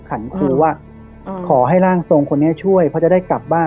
ขันครูว่าขอให้ร่างทรงคนนี้ช่วยเพราะจะได้กลับบ้าน